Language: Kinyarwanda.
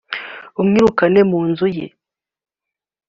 amwirukane mu nzu ye